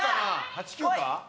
８９か？